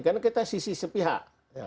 karena kita sisi sepihak